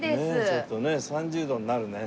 ちょっとねえ３０度になるね。